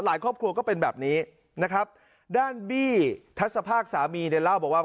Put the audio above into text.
ครอบครัวก็เป็นแบบนี้นะครับด้านบี้ทัศภาคสามีเนี่ยเล่าบอกว่า